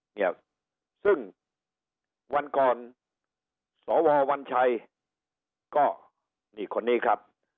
เนี่ยซึ่งวันก่อนสววัญชัยก็นี่คนนี้ครับ